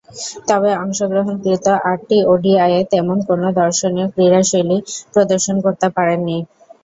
তবে, অংশগ্রহণকৃত আটটি ওডিআইয়ে তেমন কোন দর্শনীয় ক্রীড়াশৈলী প্রদর্শন করতে পারেননি।